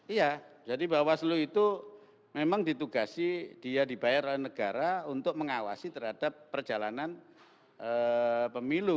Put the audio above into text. iya jadi bawaslu itu memang ditugasi dia dibayar oleh negara untuk mengawasi terhadap perjalanan pemilu